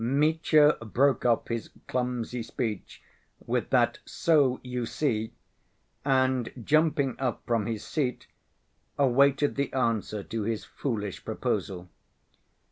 Mitya broke off his clumsy speech with that, "so you see!" and jumping up from his seat, awaited the answer to his foolish proposal.